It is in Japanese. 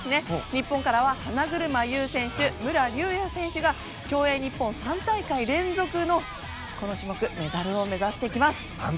日本からは花車優選手、武良竜也選手が競泳日本３大会連続の、この種目メダルを目指していきます。